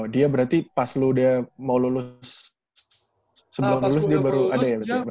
dia berarti pas lu dia mau lulus sebelum lulus dia baru ada ya